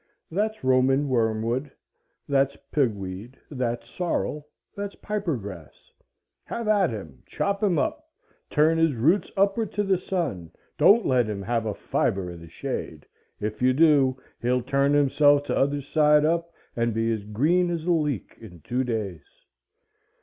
That's Roman wormwood,—that's pigweed,—that's sorrel,—that's piper grass,—have at him, chop him up, turn his roots upward to the sun, don't let him have a fibre in the shade, if you do he'll turn himself t'other side up and be as green as a leek in two days.